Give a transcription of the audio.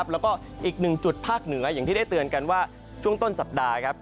แล้วก็อีกหนึ่งจุดภาคเหนืออย่างที่ได้เตือนกันว่าช่วงต้นสัปดาห์ครับ